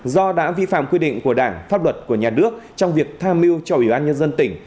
do đã vi phạm quy định của đảng pháp luật của nhà nước trong việc tham mưu cho ủy ban nhân dân tỉnh